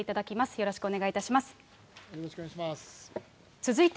よろしくお願いします。